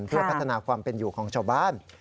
เพื่อพัฒนาความเป็นอยู่ของชาวบ้าน